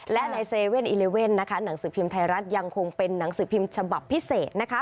และใน๗๑๑นะคะหนังสือพิมพ์ไทยรัฐยังคงเป็นหนังสือพิมพ์ฉบับพิเศษนะคะ